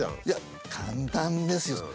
いや簡単ですよ。